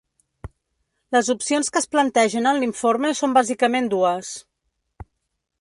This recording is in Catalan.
Les opcions que es plantegen en l’informe són bàsicament dues.